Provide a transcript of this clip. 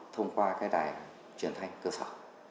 thông qua cái đài truyền thanh cơ sở